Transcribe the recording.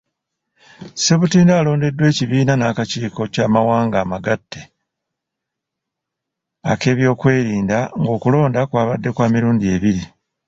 Ssebutinde alondeddwa ekibiina n'akakiiko ky'amawanga amagatte ak'ebyokwerinda, ng'okulonda kwabadde kwa mirundi ebiri.